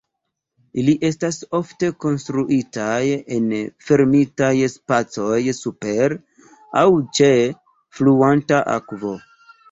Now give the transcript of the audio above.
Ili estas ofte konstruitaj en fermitaj spacoj super, aŭ ĉe, fluanta akvo.